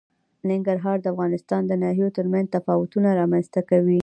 ننګرهار د افغانستان د ناحیو ترمنځ تفاوتونه رامنځ ته کوي.